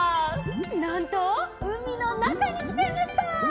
なんとうみのなかにきちゃいました！